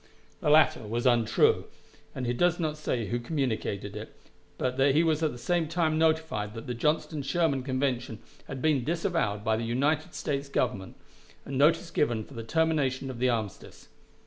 The latter was untrue, and he does not say who communicated it, but that he was at the same time notified that the Johnston Sherman convention had been disavowed by the United States Government, and notice given for the termination of the armistice.